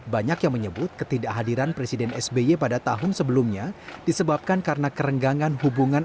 banyak yang menyebut ketidakhadiran presiden sby pada tahun sebelumnya disebabkan karena kerenggangan hubungan